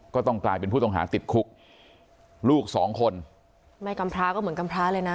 ก็ต้องกลายเป็นผู้ต้องหาติดคุกลูกสองคนไม่กำพร้าก็เหมือนกำพระเลยนะ